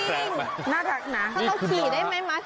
ถ้าต้องขี่ได้มั้ยมาแพระ